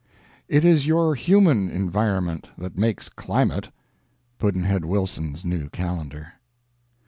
It is your human environment that makes climate. Pudd'nhead Wilson's New Calendar.